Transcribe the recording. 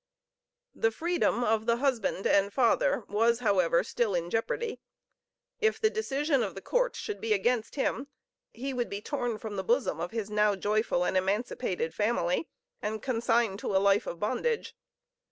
The freedom of the husband and father, was, however, still in jeopardy. If the decision of the court should be against him, he would be torn from the bosom of his now joyful and emancipated family, and consigned to a life of bondage.